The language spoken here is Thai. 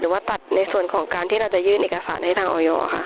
ว่าตัดในส่วนของการที่เราจะยื่นเอกสารให้ทางออยค่ะ